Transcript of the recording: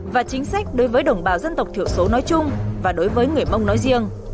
và chính sách đối với đồng bào dân tộc thiểu số nói chung và đối với người mông nói riêng